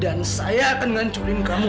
dan saya akan menghancurkan kamu